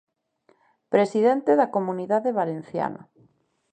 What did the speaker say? Presidente da Comunidade Valenciana.